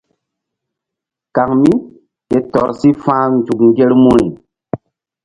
Kaŋ mí ke tɔr si fa̧h nzuk ŋgermuri.